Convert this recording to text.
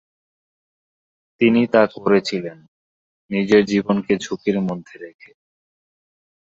তিনি তা করেছিলেন, নিজের জীবনকে ঝুঁকির মধ্যে রেখে।